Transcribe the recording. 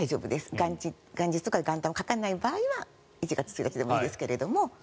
元日、元旦を書かない場合は１月１日でもいいですけど。